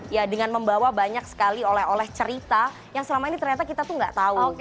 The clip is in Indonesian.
ya dengan membawa banyak sekali oleh oleh cerita yang selama ini ternyata kita tuh gak tahu